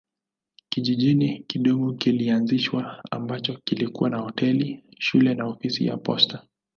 Kijiji kidogo kilianzishwa ambacho kilikuwa na hoteli, shule na ofisi ya posta.